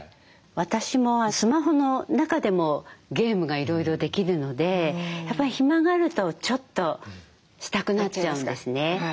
私もスマホの中でもゲームがいろいろできるのでやっぱり暇があるとちょっとしたくなっちゃうんですね。